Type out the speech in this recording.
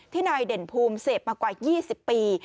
นายเด่นภูมิเสพมากว่า๒๐ปี